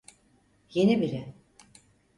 Yeni biri.